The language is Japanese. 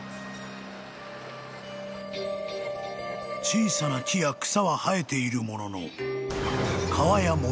［小さな木や草は生えているものの］